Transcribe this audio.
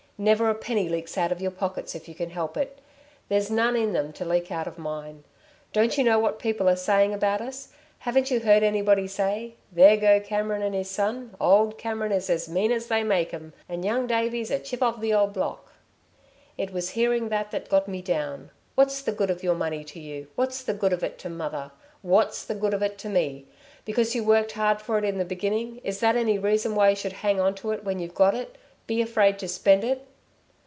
Never a penny leaks out of your pockets if you can help it. There's none in them to leak out of mine. Don't you know what people are saying about us? Haven't you heard anybody say: 'There go Cameron and his son! Old Cameron is as mean as they make 'em, and Young Davey's a chip of the old block!' It was hearing that got me down. What's the good of your money to you? What's the good of it to mother? What's the good of it to me? Because you worked hard for it in the beginning, is that any reason why you should hang on to it, when you've got it be afraid to spend it?